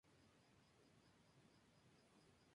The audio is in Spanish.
En ese mismo año el equipo del gallo consiguió la Copa Mitropa.